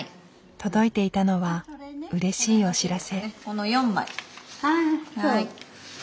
届いていたのはうれしいお知らせ。